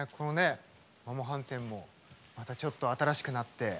麻モ飯店もまたちょっと新しくなって。